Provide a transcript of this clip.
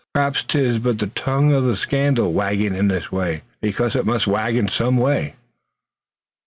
Perhaps 'tis but the tongue of scandal wagging in this way, because it must wag in some way."